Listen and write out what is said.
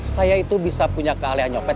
saya itu bisa punya keahlian copet